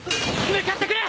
向かってくれ！